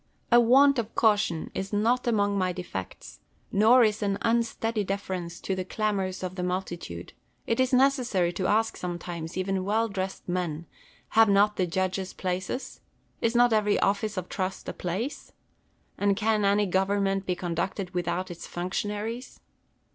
Boulter. A want of caution is not among my defects; nor is an unsteady deference to the clamours of the multi tude. It is necessary to ask sometimes even well dressed men, have not the judges places 1 is not every office of trust a place 1 and can any government be conducted without its functionaries